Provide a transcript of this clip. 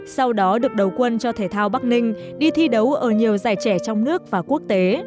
sau đó được đầu quân cho thể thao bắc ninh đi thi đấu ở nhiều giải trẻ trong nước và quốc tế